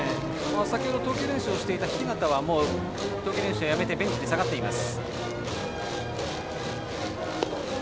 先ほど投球練習していた日當はもう投球練習はやめてベンチに下がっています。